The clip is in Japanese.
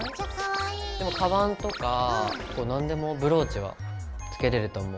でもかばんとか何でもブローチはつけれると思う。